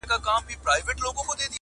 څارنوال چي د قاضي دې کار ته ګوري,